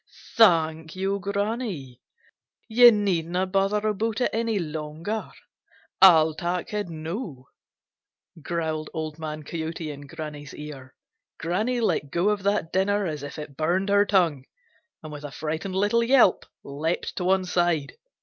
"Thank you, Granny. You needn't bother about it any longer; I'll take it now," growled Old Man Coyote in Granny's ear. Granny let go of that dinner as if it burned her tongue, and with a frightened little yelp leaped to one side.